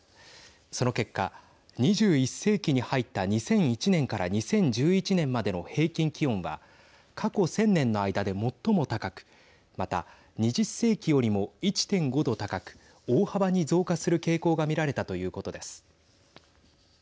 その結果２１世紀に入った２００１年から２０１１年までの平均気温は過去１０００年の間で最も高くまた２０世紀よりも１．５度高く大幅に増加する傾向が見られたということです。